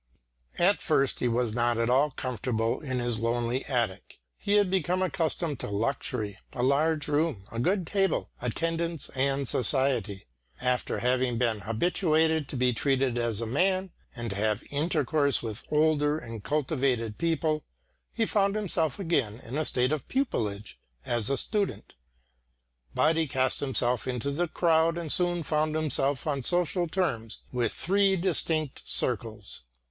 At first he was not at all comfortable in his lonely attic. He had become accustomed to luxury, a large room, a good table, attendance and society. After having been habituated to be treated as a man and to have intercourse with older and cultivated people, he found himself again in a state of pupilage as a student. But he cast himself into the crowd and soon found himself on social terms with three distinct circles.